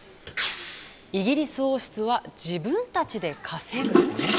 イギリス王室は自分たちで稼ぐ？